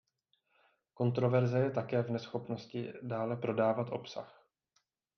Kontroverze je také v neschopnosti dále prodávat obsah.